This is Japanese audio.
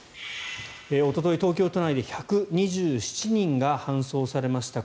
おととい、東京都内で１２７人が搬送されました。